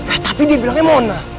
ah tapi dia bilangnya mona